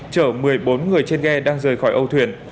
chở một mươi bốn người trên ghe đang rời khỏi âu thuyền